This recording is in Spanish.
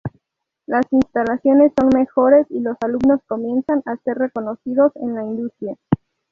Las instalaciones son mejores y los alumnos comienzan a ser reconocidos en la industria.